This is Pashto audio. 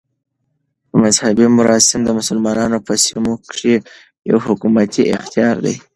مذهبي مراسم د مسلمانانو په سیمو کښي یو حکومتي اختیار دئ.